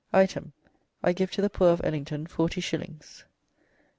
"Item. I give to the Poore of Ellington forty shillings.